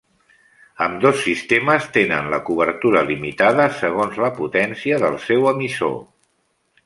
Ambdós sistemes tenen la cobertura limitada, segons la potència del seu emissor.